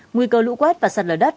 nguy cơ lũ quét và sật lở đất